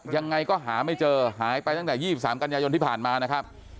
ยังไงก็หาไม่เจอหายไปตั้งแต่๒๓กันยายนที่ผ่านมานะครับ